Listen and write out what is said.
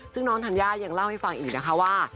ซึ่งน้องธัญญายังเล่าให้ฟังอีกนะคะว่า